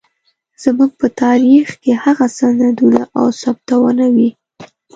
زموږ په تاريخ کې هغه سندونه او ثبوتونه وي.